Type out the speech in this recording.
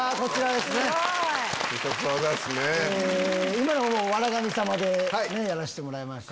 今のも『笑神様』でやらせてもらいました。